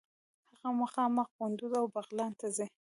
هغه مخامخ قندوز او بغلان ته ځي.